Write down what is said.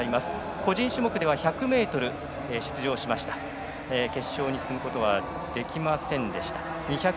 個人種目では１００ｍに出場して決勝に進むことはできませんでした。